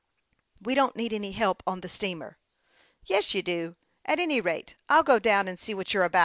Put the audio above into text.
" We don't need any help on the steamer." " Yes, you do. At any rate, I'll go down and see what you are about."